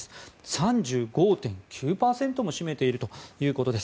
３５．９％も占めているということです。